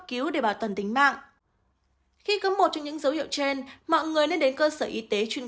cứu để bảo tần tính mạng khi có một trong những dấu hiệu trên mọi người nên đến cơ sở y tế chuyên